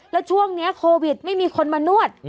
แล้วช่วงนี้โควิดไม่มีคนมานวด